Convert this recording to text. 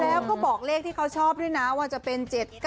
แล้วก็บอกเลขที่เขาชอบด้วยนะว่าจะเป็น๗๙